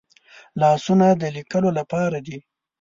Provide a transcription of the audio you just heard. لاسونه د لیکلو لپاره دي